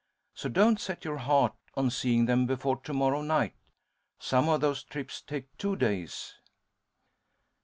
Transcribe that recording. So don't set your heart on seeing them before to morrow night. Some of those trips take two days."